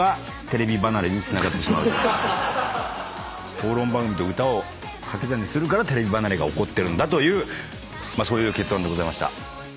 討論番組と歌を掛け算にするからテレビ離れが起こってるというそういう結論でございました。